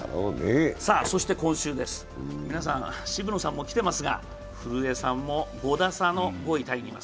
そして今週です、渋野さんも来ていますが、古江さんも５打差の５位タイにいます。